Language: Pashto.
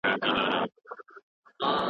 د هغې ونې پاڼې رژېدلي دي.